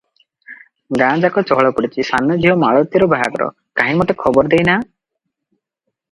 ଗାଁ ଯାକ ଚହଳ ପଡିଛି - ସାନ ଝିଅ ମାଳତୀର ବାହାଘର - କାହିଁ ମତେ ଖବର ଦେଇ ନାହଁ?